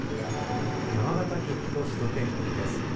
山形局と首都圏局です。